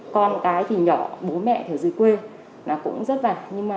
con cái thì nhỏ bố mẹ thì ở dưới quê nó cũng rất là